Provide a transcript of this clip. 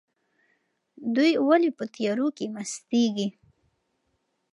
دوی ولې په تیارو کې مستیږي؟